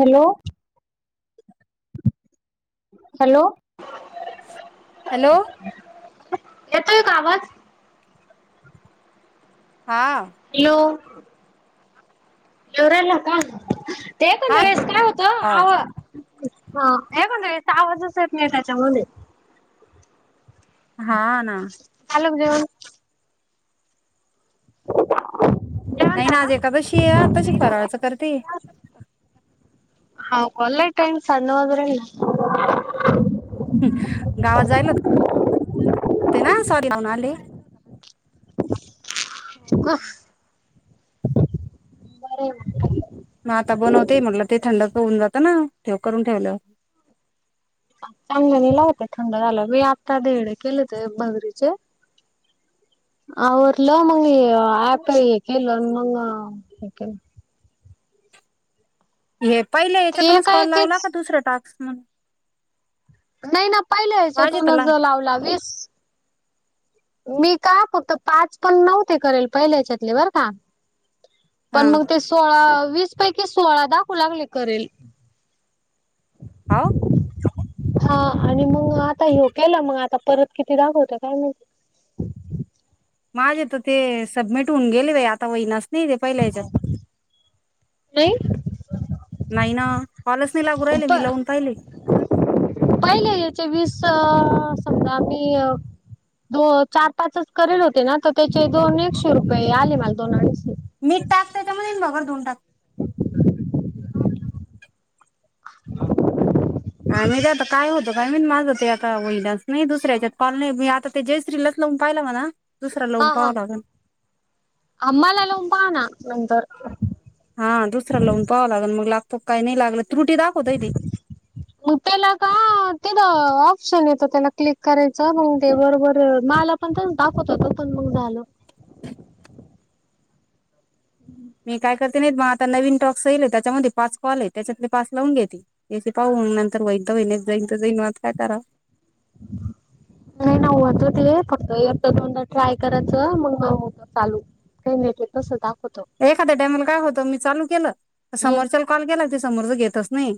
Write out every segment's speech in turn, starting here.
Hello hello hello येतोय का आवाज हां ह येऊ राहिला का ते कोण हा वेळेस काय हो होतं कोण वेळे आवाजच येत नाही त्याच्यामध्ये हा ना [unintelligible] जेवण नाही ना आज झालं? एकादशी तशी फराळच करते हा कोले टईम सण हद्र ना गावात जाय ना ते ना सॉडी लाऊनले बर मग आता बनवते म्हटलं ते थंड होऊन जात ना ठेव करून ठेवलं चांगलं नाही ला होत थंड झालं मी आता देडे केलं ते बगरीचे आवरल मंग आपल हे केलं मंग हे केलं हे पहिले ते याच्यातूनच एका कॉल लावला एकेच का दुसर्या टास्क म्हणून नाही ना पहिलं यायच्या वाज तोन येतला ज लावला वस मी का फक्त पाच पण नव्हते करेल पहिल्या हच्यातले बर का हा पण मग ते सोळा वीस पैकी सोळा दाखवू लागले करेल आा हा आणि मग आता हे केला मग आता परत किती दाखवत काय नाही ह माझे तर ते सबमिट होऊन गेले आता वहिनस नाही ते पहिल्या हच्यात नाही नाही ना कॉलच नाही लागू राहिले प मी लावून पाहिले पहिले याच्या वीस समजा आम्ही दो चार पाच करेल होते ना तर त्याचे दोन एकशे रुपये आले मला दोन अडीच मी टाकते त्याच्यामध्ये ये बघर दोन टाक ह हो आ मी ते आता काय होतो काय मी माझं ते आता वहिलाच नाही दुसऱ्याच्यात पा नाही मी आता ते जयश्री लच लो पाहिला म्हणा दुसरा लोन पाव लागण अमलाला उ पा ना नंतर हा दुसरा लावून पावं लागेल मग लागतो काही नाही लागल उप्याला का ते ऑप्शन येत त्याला क्लिक करायच मग ते बरोबर माला पण दाखवत होता पण मग झालं [inaudible] मी काय करते नाहीत मग आता नवीन टॉक्सईल त्याच्यामध्ये पाच कॉल आहे त्याच्यातले पाच लावून घेते पाहून नंतर वैध वहिने जाईन जैन वात काय करा हम् नाही नावत हो फक्त एकट दोनदा ट्राय करायचं मग न होतं चालू काही नाहीट तसद्धा एखाद्या टायमला काय होतं मी चालू केलं हम् समोरच्या कॉल केला ते समोरच घेतच नाही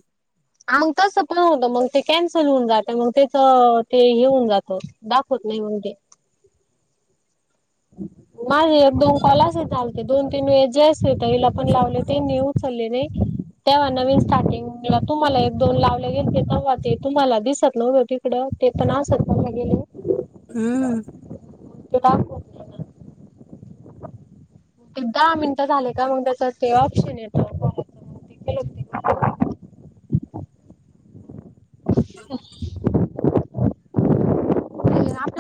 मग तस पण होत मग ते कॅन्सल होऊन जातं मग त्याच ते हे होऊन जात दाखवत नाही उे माझे एक दोन कॉलास चालते दोन तीन वे जस य हला पण लावले ते न हल्ने तेव्हा नवीन स्टार्टिंग तुम्हाला एक दोन लावले गेले ते तेव्हा ते तुम्हाला दिसत नव्हतं तिकडं ते पण आसात भा गेले हम्म किताब ते दहा मिनिटं झाले का मग त्याच ते ऑप्शन येत केला होत [unintelligible]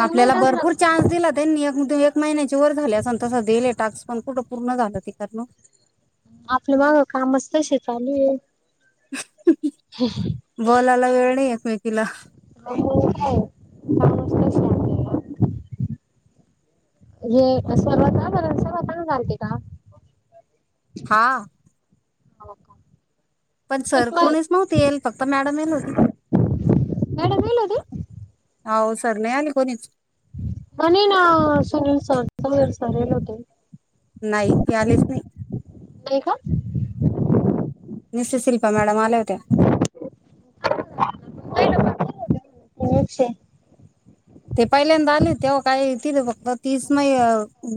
आपल्याला माहित असणार भरपूर चा्स दिला त्यांनी एक महिन्याची वर झाली अस तसं दिले टास्क पण कुठं पूर्ण झालं त करण आपलं माग कामच तशी चालू आहे बोलायला वेळ नाही एकमेकीला हो काय पा हे सर्वत ब सर्वतां घचालते का हा न का पण सर कोणीच नव्हती येल फक्त मॅडम येल होती मॅडम येल होती हो सर नाही आली कोणीच आणि ना सुनील सर सर सर हेल होते नाही यालीच नाही नाही का निस् शिल्पा मॅडम आले होते्या वे ते पहिल्यांदा आले तेव्हा काही तिथे फक्त तीस महि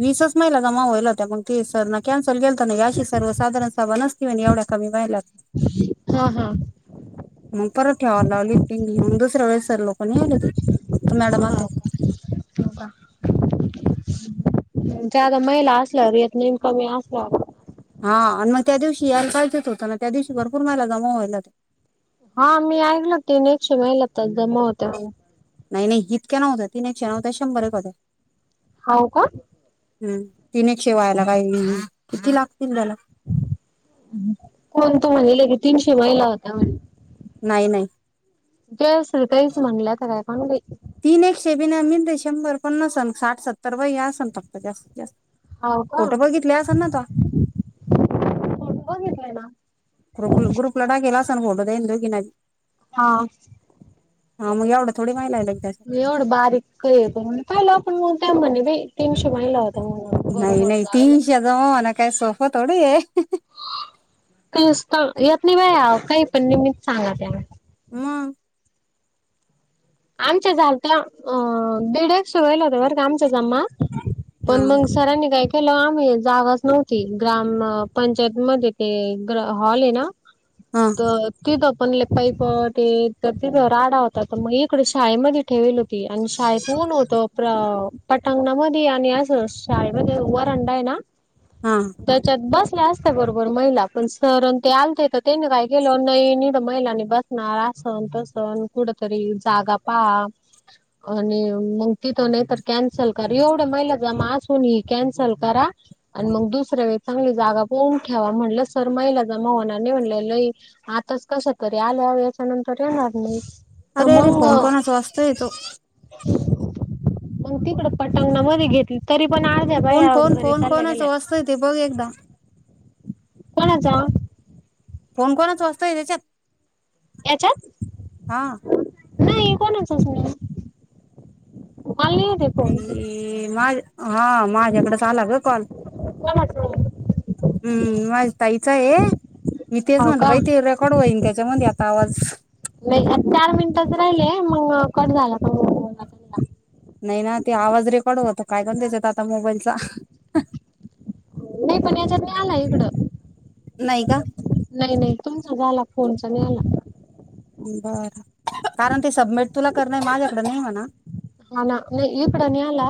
वीसच महिला जमा व्हाल होत पण सर ना कॅन्सल गेलत ना अशी सर्व साधारण सावण असती एवढ्या कमी महिला हा हा मग परत ठेवाला लावली ती मग दुसऱ्या वेळेस लोकणी आले त फक्त मॅडम आ बा जादा महिला असल्या रेत नेम कमी असल्यावर हा आणि मग त्या दिवशी कायचेत होतं ना त्या दिवशी भरपूर महिला जमावा्हायला ते हा मी ऐकलोती एकशे महिला तर जमा होत्या म्ह नाही नाही इतक्या नव्हत्या तीन एकशे नव्हत्या शंभर एक का होत्या हो का हम तीन एकशे वयला काही किती लागतील त्याला कोण तू म्हणल की तीनशे महिला होत्या म्ह नाही नाही जवस कैस म्हणले त काय कली तीन एकशे बिना मिते शंभर पन्नास साठ सत्तर व असन फक्त जास्तीत जास्त हाव का? फोटो बघितले अस नाता फोटो बघितले ना. ग्रुप ग्रुप लढाकेला असण कोडो ह दु घी नाहीदी हा हा मग एवढं थोडी माहि लागल त्याच एवढं बारीक आहे पण म्हण पाहिलं आपण त्या म्ह नाही नाही तीनशे जाऊ ना काय सोफ थोडी आहे त यात नाही बाया काही पण न ममी सांगा त्या म आमच्या झा त्या अ दीड शे महिला होत बरं का आमच्याचा जमा हा पण मग सरांनी गाय ल आम्ही जागाच नव्हती ग्राम पंचायत मध्ये ते ग हॉल आहे ना हा तर तिथं पणले पाईपट तर तिथ राडा होता तर मग इकडे शाळेमध्ये ठेवेल होती आणि शाळेत ऊन होत पटांगणामध्ये आणि असं शाळेमध्ये उ व अंडा आहे ना हा त्याच्यात बस असते बरोबर महिला पण सरण ते आलते तर त्यांनी काय केलं नाही तर महिलांनी बसणार सण तसण कुठ तरी जागा पहा. आणि मग तिथं नाही तरर कॅन्सल क एवढ्या महिला जमा असून ह कॅन्सल करा. आणि मग दुसऱ्या वेळी चांगली जागा पोून ठेवा म्हणलं सरमाईला जा मवनाने म्हणले लय आताच कस तरी आल्या याच्यानंतर येणार नाही. तर अरे अरे फोन कोण तो वाजतो य तो. पग तिकडं पटंगणा मध्ये घेतली तरी पण द्या फोन बाया फोन बर फोन तल कोणाच गेला वाजतोय ते बघ एकदा कोणाचा कोण कोणच वाचतोय त्याच्यात याच्यात हा नाही कोणच अस अरे माझ हा माझ्याकडे ला ग कॉल कोणाच नाही हम्म माझ ताईच आहे मी तेच हो म्हटलं का बाई ते रेकॉर्ड होईन त्याच्यामध्ये आता आवाज नाही आ चार मिनिटच राहिलेय मग कड झाला मग तला नाही ना ते आवाज रेकॉर्ड होतो काय करण द्यायचत आता मोबाईलचा नाही पण याच्या नाही आला इकडं नाही का नाही नाही तुमचा झाला फोनचा नाही आला बर कारण ते सबमिट तुला करणार माझ्याकड नाही म्हणा हा ना नाही इकडं नाही आला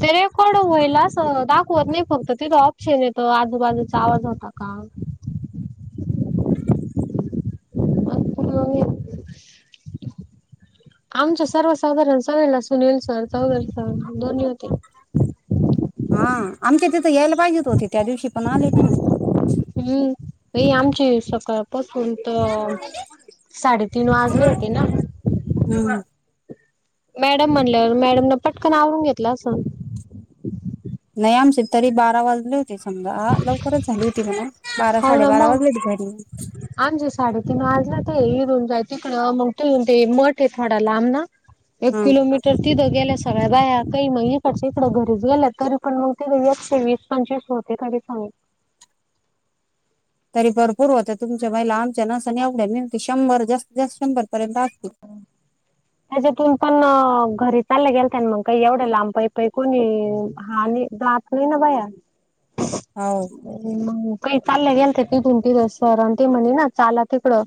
ते रेकॉर्ड होईलस दाखवत नाही फक्त तिथं ऑप्शन येतो आजूबाजूचा आवाज होता का ह [unintelligible] अ [unintelligible] आमच सर्वसाधारण सगळेला सुनील सर चौगर सर दोन्ही होते हा आमच्या तिथे यायला पाहिज होते त्या दिवशी पण आले ना ना आमचे सकाळपासून तरसाडेतीन वाजले होते ना ना हम् मॅडम म्हणल्यावर मॅडम न पटकन आवरून घेतलं असं. नाही आमचे तरी बारा वाजले होते समजा लवकरच झाली होती मणा हो ना मग आमची साडी त म आज ना ते हरन तड मग ते मठ आहे थोडा लांब ना एक हा किलोमीटर तिथं गेल्या सगळ्या बाया काही मग इकडच्या इकड घरीच गेलं तरी पण मग ते एकशे वीस पंचवीस होते तरी सांग [unintelligible] तरी भरपूर होत तुमच्या महिला आमच्या नसने एवड्या मिती शंभर जास्त जास्त शंभर पर्यंत असतील हा त्याच्यातून पण घरी चाललं गेल मग काही एवढे लांबाई प कोणी ह दात नाही ना बाया हो म का चाललं गेल ते पिथूनतीिथ सर आणि ते म्हणे ना चाला तिकडं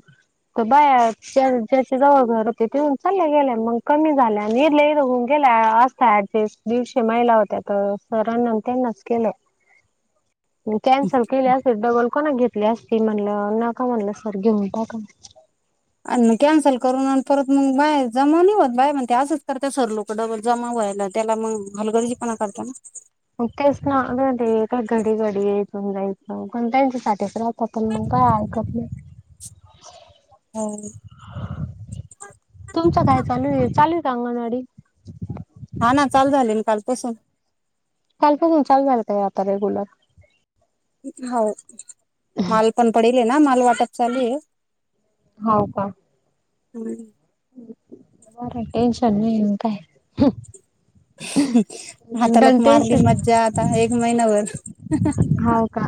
त बाया ज्याच्या जव घर चालल्या गेल्या मग कमी झाल्या निरले गेल्या अस दिवशे महिला त्याता सरांना त्यांनाच केलं कॅन्सल केली असे डबल कोणा घेत आपली असती म्हणल नका म्हणलं सर घेऊन टाका आणि मग कॅन्सल करून आणि परत मग बाय जमावून होत बाय म्हण ते असच तर त्या सर लोक डबल जमाव त्याला मग हलगर्जीपणा करता ना मग तेच पण जायचं पण जायचं साच राहत पण मग काय ऐकत नाही ना तुमचं काय चालू आहे चालू कंगनडी हा ना चालू झाले ना कालपसून चापून चाल मला का आता रेगलर हो माल पण पडल ना माल वाटत चालू आहे हो का हम् बरं टेन्शन नाही ये काय आता दन लोक मारली टेन्शन मज्जा आता एक महिना्याभर हो का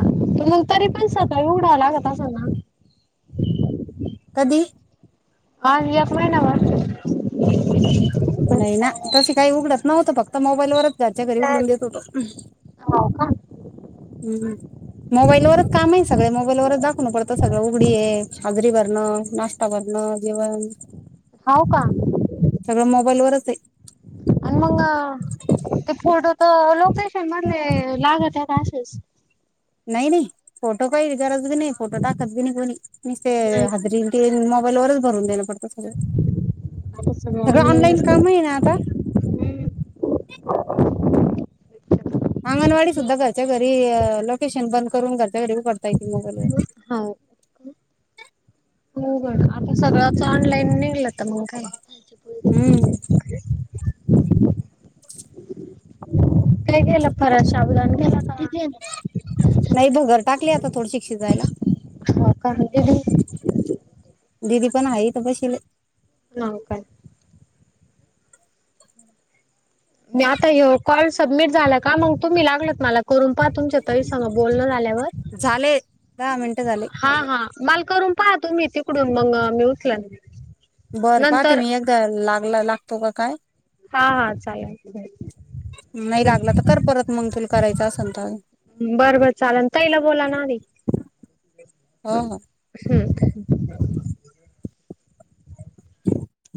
तरी पण सतळी उघडा लागता सना ह हा जकम ना म नाही ना तशी काही उघडत नव्हतं फक्त मोबाईलवरच त्याच्या घरी उघडून देत होत हाव का हम्म मोबाईलवरच काम आहे सगळे मोबाईलवरच दाखवणू पडतं सगळं उघडी आहे हजरी भरणं नाश्ता बरण ण जेवन होव का तलोरते अन् मंग ते फोटो तर लोकेशन मधले लागत आहेता असेच नाही नाही फोटो का करजी नाही फटो टाकत कोणी नाही का हजरी मोबाईल वरच भरून देणं पडत सगळ सगळं ऑनलाईन काम आहे ना आता ह अंगणवाडी सुद्धा घरच्या घरी लोकेशन बंद करून घरच्या घरी उघडता येते मोबाल व हो होग आता सगळंच ऑनलाईन निघलं तर मग काय हम्म काय गेलं फरा श अवधान गेला का नाही ब घर टाकली आता थोडीशी शिजायला हो का हते त दिदी पण आहे त पशीिले न का म आतायव कॉल सबमिट झा का मग तुम्ही लाग मला करून प तुमच्या त ब झाले दहा मिनिटं झाले हलून पाह ती डून मग मी उठला बरं पाहते मी एकदा लागला लागतो का काय हा हा चालेल नाही लागला तर कर परत मग तुला करायचं असेल तर बरं बर चाले तईला बोला नाी हो हो हम्